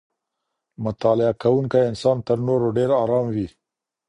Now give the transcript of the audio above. مطالعه کوونکی انسان تر نورو ډېر ارام وي.